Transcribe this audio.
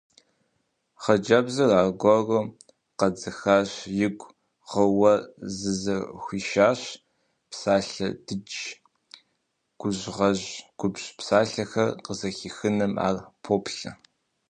Хъыджэбзыр аргуэру къэдзыхащ, игу гъууэ зызэхуишащ: псалъэ дыдж, гужьгъэжь губжь псалъэхэр къызэхихыным ар поплъэ.